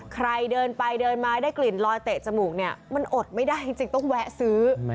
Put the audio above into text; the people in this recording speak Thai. ใครเดินไปเดินมาได้กลิ่นลอยเตะจมูกเนี่ยมันอดไม่ได้จริงต้องแวะซื้อ